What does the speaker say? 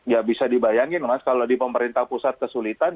ya bisa dibayangin mas kalau di pemerintah pusat kesulitan